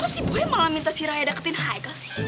kok si boy malah minta si raya deketin haikal